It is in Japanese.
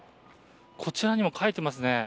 こちらにも書いてますね。